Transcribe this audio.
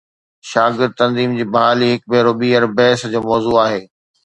شاگرد تنظيمن جي بحالي هڪ ڀيرو ٻيهر بحث جو موضوع آهي.